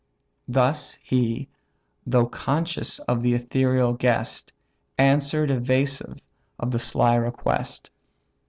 Thus he, though conscious of the ethereal guest, Answer'd evasive of the sly request.